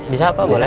bisa pak boleh